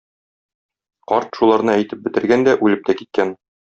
Карт шуларны әйтеп бетергән дә үлеп тә киткән.